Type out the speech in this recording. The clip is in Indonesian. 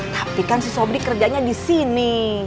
tapi kan si sobrik kerjanya di sini